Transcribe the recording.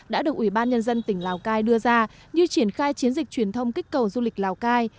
đã được ủy ban nhân dân tỉnh lào cai đưa ra như triển khai chiến dịch truyền thông kích cầu du lịch lào cai